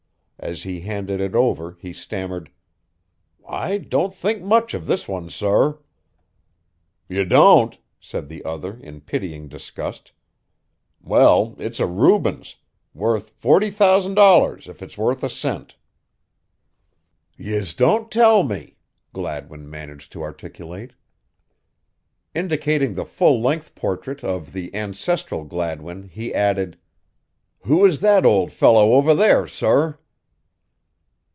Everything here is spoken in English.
As he handed it over he stammered: "I don't think much of this one, sorr." "You don't?" said the other, in pitying disgust. "Well, it's a Rubens worth $40,000 if it's worth a cent." "Yez don't tell me," Gladwin managed to articulate. Indicating the full length portrait of the ancestral Gladwin, he added, "Who is that old fellow over there, sorr?"